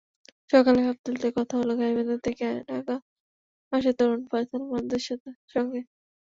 সকালে গাবতলীতে কথা হলো গাইবান্ধা থেকে ঢাকা আসা তরুণ ফয়সাল মাহমুদের সঙ্গে।